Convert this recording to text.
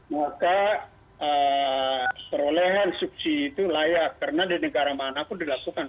maka eh perolehan suksi itu layak karena di negara mana pun dilakukan